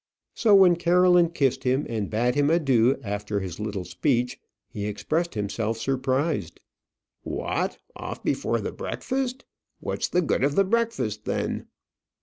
So when Caroline kissed him, and bade him adieu after his little speech, he expressed himself surprised. "What, off before the breakfast! What's the good of the breakfast then?"